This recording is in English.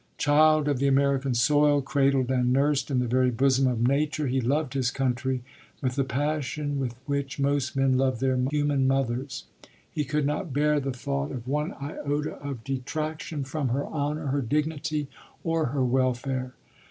Child of the American soil, cradled and nursed in the very bosom of nature, he loved his country with the passion with which most men love their human mothers. He could not bear the thought of one iota of detraction from her honor, her dignity or her welfare.